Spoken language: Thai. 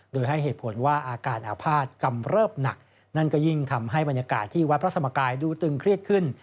โดยให้เหตุผลว่าอาการอาภาษณ์กำเริบหนักนั่นก็ยิ่งทำให้บรรยากาศที่วัดพระธรรมกายดูตึงเครียดขึ้น